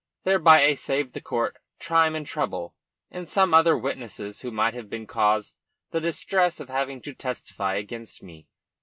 Thereby I saved the court time and trouble, and some other witnesses who might have been caused the distress of having to testify against me.